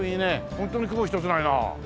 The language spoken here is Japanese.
ホントに雲ひとつないなあ。